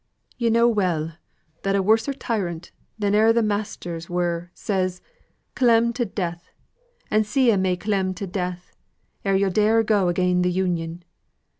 "Yo' know well, that a worser tyrant than e'er th' masters were says, 'Clem to death, and see 'em a' clem to death, ere yo' dare go again th' Union.